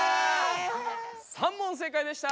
３問正解でした！